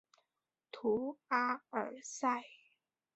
图阿尔塞。